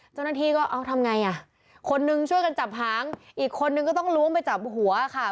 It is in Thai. เจ้าหน้าที่ก็เอาทำไงอ่ะคนนึงช่วยกันจับหางอีกคนนึงก็ต้องล้วงไปจับหัวค่ะ